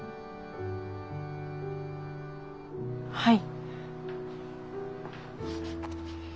はい。